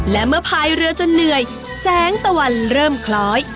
และเมื่อพายเรือจนเหนื่อยแสงตะวันเริ่มคล้อย